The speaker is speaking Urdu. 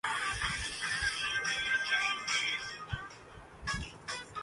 فضول باتیں مت کرو